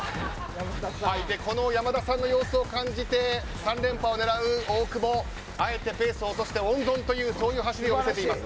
山田さんの様子を感じて３連覇を狙う大久保、あえてペースを落として温存という走りを見せています。